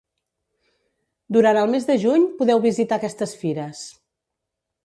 Durant el mes de juny podeu visitar aquestes fires.